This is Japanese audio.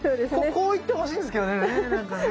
こういってほしいんですけどねなんかね。